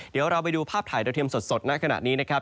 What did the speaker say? เดี๋ยวเราไปดูภาพถ่ายโดยเทียมสดณขณะนี้นะครับ